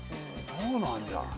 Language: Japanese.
そうなんだ。